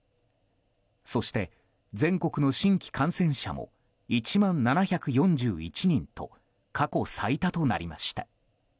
そして全国の新規感染者も１万７４１人と過去最多となりました。